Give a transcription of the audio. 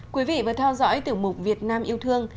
quý vị vừa theo dõi tiểu mục việt nam yêu thương